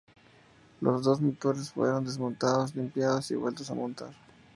Los dos motores, fueron desmontados limpiados y vueltos a montar.